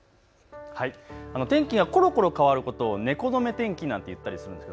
天気がころころ変わることを猫の目天気なんて言ったりするんです。